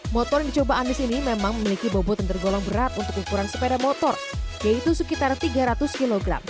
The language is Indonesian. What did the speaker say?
motor yang dicoba anies ini memang memiliki bobot yang tergolong berat untuk ukuran sepeda motor yaitu sekitar tiga ratus kg